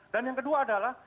dan yang kedua adalah